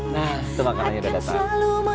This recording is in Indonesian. nah teman teman yang sudah datang